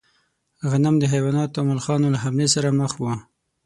غنم د حیواناتو او ملخانو له حملې سره مخ و.